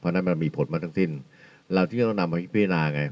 เพราะฉะนั้นมันมีผลมาทั้งสิ้นเราที่จะต้องนำมาพิจารณาไง